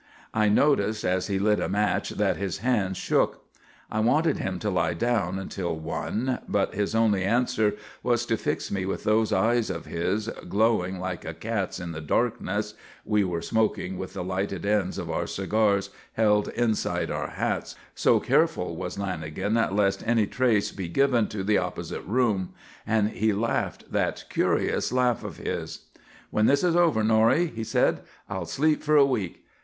I noticed as he lit a match that his hands shook. I wanted him to lie down until one, but his only answer was to fix me with those eyes of his, glowing like a cat's in the darkness (we were smoking with the lighted ends of our cigars held inside our hats, so careful was Lanagan lest any trace be given to the opposite room), and he laughed that curious laugh of his. "When this is over, Norrie," he said, "I'll sleep for a week.